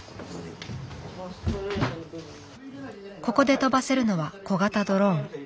ここで飛ばせるのは小型ドローン。